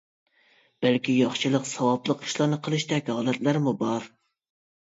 بەلكى ياخشىلىق، ساۋابلىق ئىشلارنى قىلىشتەك ھالەتلەرمۇ بار.